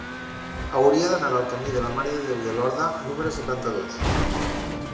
Hauria d'anar al camí de la Mare de Déu de Lorda número setanta-dos.